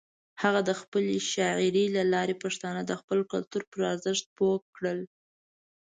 هغه د خپلې شاعرۍ له لارې پښتانه د خپل کلتور پر ارزښت پوه کړل.